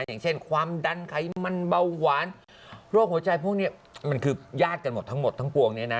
อย่างเช่นความดันไขมันเบาหวานโรคหัวใจพวกนี้มันคือญาติกันหมดทั้งหมดทั้งปวงเนี่ยนะ